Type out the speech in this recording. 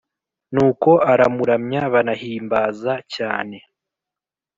Nuko aramuramya banahimbaza cyane